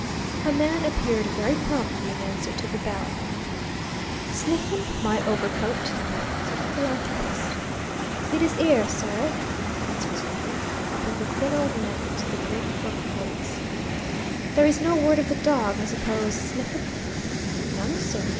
A man appeared very promptly in answer to the bell. "Sniffen, my overcoat," said the philanthropist. "It is 'ere, sir," answered Sniffen, helping the thin old man into the great fur folds. "There is no word of the dog, I suppose, Sniffen?" "None, sir.